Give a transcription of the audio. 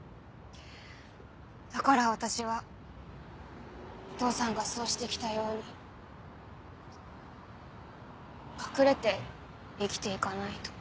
だから私はお父さんがそうして来たように隠れて生きて行かないと。